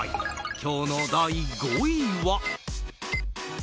今日の第５位は。